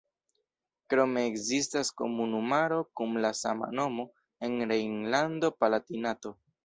Krome ekzistas komunumaro kun la sama nomo en Rejnlando-Palatinato.